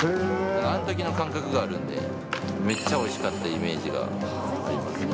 あのときの感覚があるんで、めっちゃおいしかったイメージがありますね。